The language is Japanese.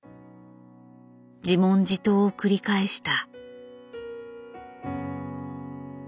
自問自答を繰り返した。